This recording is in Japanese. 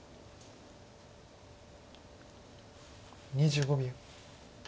２５秒。